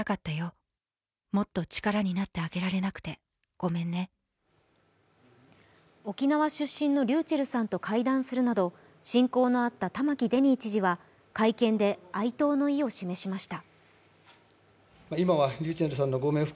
タレントのＳＨＥＬＬＹさんは沖縄出身のｒｙｕｃｈｅｌｌさんと会談するなど親交のあった玉城デニー知事は、会見で哀悼の意を示しました。